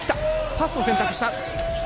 パスを選択した。